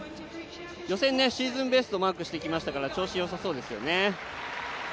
予選、シーズンベストをマークしてきましたから調子よさそうですね。